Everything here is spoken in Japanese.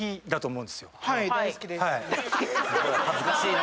恥ずかしいな。